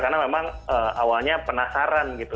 karena memang awalnya penasaran gitu